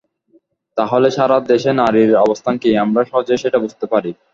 তাহলে সারা দেশে নারীর অবস্থান কী, আমরা সহজেই সেটা বুঝতে পারি।